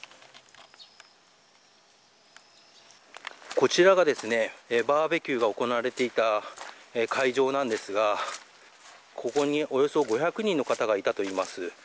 こちらがですねバーベキューが行われていた会場なんですがここにおよそ５００人の方がいたといいます。